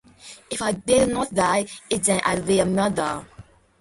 If I did not die-- it's then I'd be a murderer.